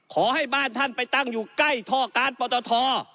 ขอให้บ้านท่านไปตั้งอยู่ใกล้ท่อการปตท